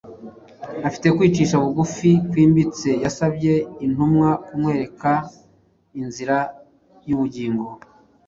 Afite kwicisha bugufi kwimbitse, yasabye intumwa kumwereka inzira y’ubugingo.